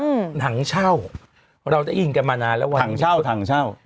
อืมหนังเช่าเราได้ยินกันมานานแล้วว่าถังเช่าถังเช่า